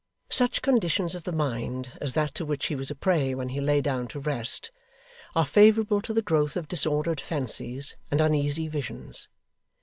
Such conditions of the mind as that to which he was a prey when he lay down to rest, are favourable to the growth of disordered fancies, and uneasy visions.